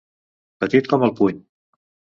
Petit com el puny.